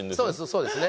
そうです。